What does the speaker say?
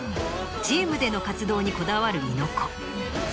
チームでの活動にこだわる猪子。